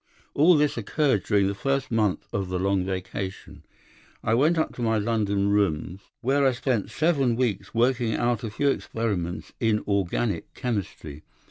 "All this occurred during the first month of the long vacation. I went up to my London rooms, where I spent seven weeks working out a few experiments in organic chemistry.